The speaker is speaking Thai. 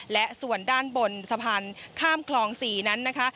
และส่วนด้านบนสะพานข้ามคลอง๔นั้นนะคะ